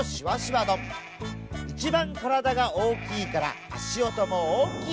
いちばんからだがおおきいからあしおともおおきい。